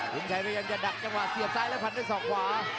หินชัยจัดกว่าเขียนใสแล้วผ่านไปส่วนขวา